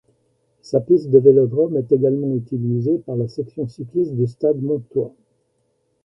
Sa piste de vélodrome est également utilisée par la section cyclisme du Stade montois.